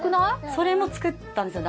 それも作ったんですよ